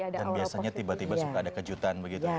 dan biasanya tiba tiba suka ada kejutan begitu